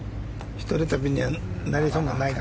一人旅にはなりそうもないな。